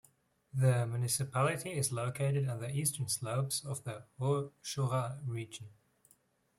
The municipality is located on the eastern slopes of the Haut-Jorat region.